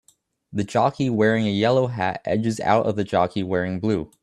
The jockey wearing a yellow hat edges out the jockey wearing blue